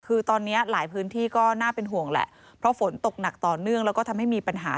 คือตอนนี้หลายพื้นที่ก็น่าเป็นห่วงแหละเพราะฝนตกหนักต่อเนื่องแล้วก็ทำให้มีปัญหา